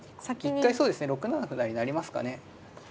一回そうですね６七歩成成りますかね。